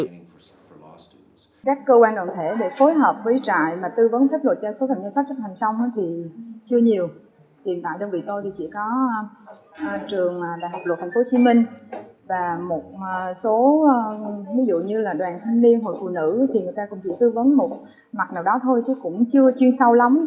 các cơ quan đoàn thể để phối hợp với trại mà tư vấn pháp luật cho số thẩm nhân sách chấp hành xong thì chưa nhiều hiện tại đơn vị tôi thì chỉ có trường đại học luật tp hcm và một số đoàn thanh niên hội phụ nữ thì người ta cũng chỉ tư vấn một mặt nào đó thôi chứ cũng chưa chuyên sâu lắm